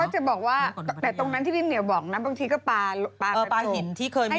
เขาก็จะบอกว่าแต่ตรงนั้นที่พี่เหนียวบอกนะบางทีก็ปาหินที่เคยมีปัญหา